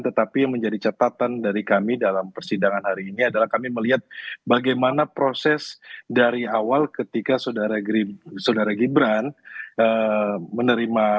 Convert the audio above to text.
tetapi yang menjadi catatan dari kami dalam persidangan hari ini adalah kami melihat bagaimana proses dari awal ketika saudara gibran menerima